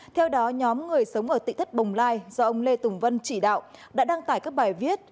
theo đó nhóm người sống ở thị thất bồng lai do ông lê tùng vân chỉ đạo đã đăng tải các bài viết